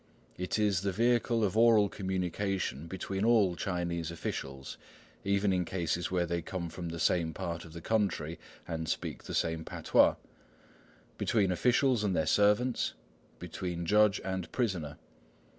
It is the vehicle of oral communication between all Chinese officials, even in cases where they come from the same part of the country and speak the same patois, between officials and their servants, between judge and prisoner.